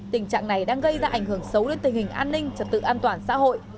tình trạng này đang gây ra ảnh hưởng xấu đến tình hình an ninh trật tự an toàn xã hội